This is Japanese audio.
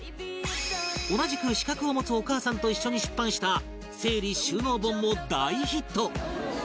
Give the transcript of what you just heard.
同じく資格を持つお母さんと一緒に出版した整理収納本も大ヒット